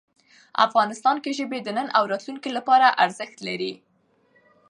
افغانستان کې ژبې د نن او راتلونکي لپاره ارزښت لري.